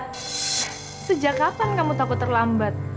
karena sejak kapan kamu takut terlambat